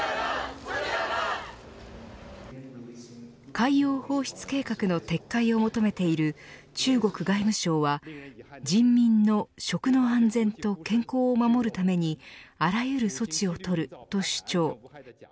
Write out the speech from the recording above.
海洋放出計画の撤回を求めている中国外務省は人民の食の安全と健康を守るためにあらゆる措置をとると主張。